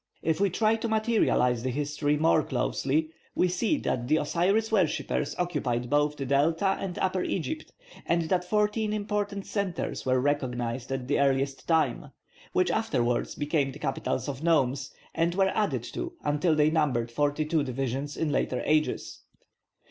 If we try to materialise this history more closely we see that the Osiris worshippers occupied both the Delta and Upper Egypt, and that fourteen important centres were recognised at the earliest time, which afterwards became the capitals of nomes, and were added to until they numbered forty two divisions in later ages.